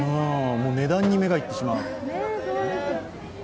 値段に目が行ってしまう。